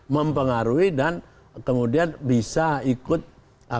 mempengaruhi dan kemudian bisa ikut apa namanya